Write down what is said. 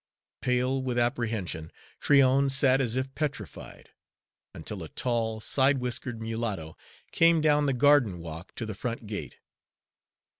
Pale with apprehension, Tryon sat as if petrified, until a tall, side whiskered mulatto came down the garden walk to the front gate.